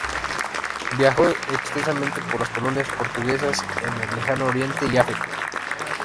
Viajó extensamente por las colonias portuguesas en el Lejano Oriente y África.